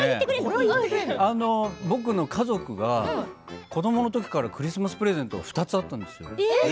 僕の家族が子どものころからクリスマスプレゼントが２つあったんですよ。